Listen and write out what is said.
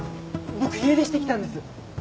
僕家出してきたんです。